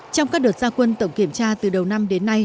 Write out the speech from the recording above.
trong các đợt gia quân tổng kiểm tra từ đầu năm đến nay